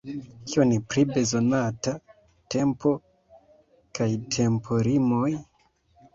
Kion pri bezonata tempo kaj tempolimoj?